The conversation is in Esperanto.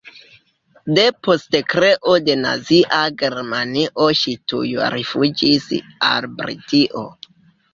Depost kreo de nazia Germanio ŝi tuj rifuĝis al Britio.